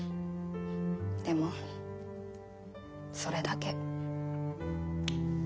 でもそれだけ。